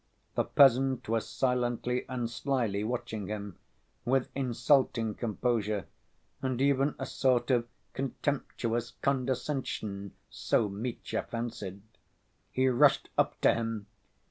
The peasant was silently and slyly watching him, with insulting composure, and even a sort of contemptuous condescension, so Mitya fancied. He rushed up to him.